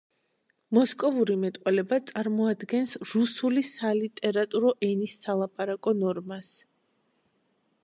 მოსკოვური მეტყველება წარმოადგენს რუსული სალიტერატურო ენის სალაპარაკო ნორმას.